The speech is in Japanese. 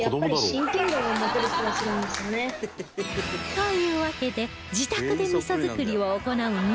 というわけで自宅で味作りを行う味